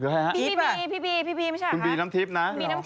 คุณบีน้ำทิพย์